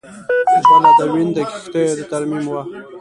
بله د وین د کښتیو د ترمیم وه